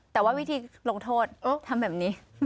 แต่ว่าวิธีลงโทษทำแบบนี้